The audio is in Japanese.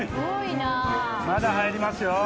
まだ入りますよ。